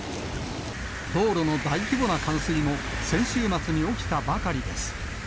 道路の大規模な冠水も、先週末に起きたばかりです。